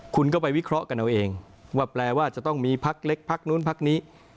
คุณก็ไปวิเคราะห์กันเอาเองว่าแปลว่าจะต้องมีพักเล็กพักนู้นพักนี้